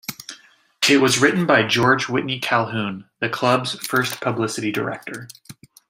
It was written by George Whitney Calhoun, the club's first publicity director.